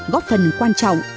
góp phần quan trọng